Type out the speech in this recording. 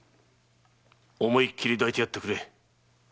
思いっきり抱いてやってくれ。